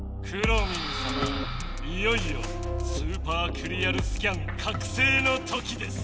いよいよスーパークリアルスキャンかくせいのときです。